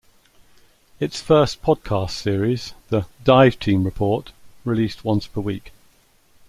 Its first podcast series, the "Dive Team Report", released once per week.